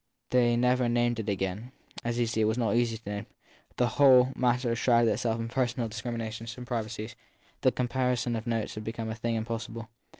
They never named it again as indeed it was not easy to name ; the whole matter shrouded itself in personal discriminations and privacies ; the comparison of notes had become a thing 272 THE THIRD PERSON impossible.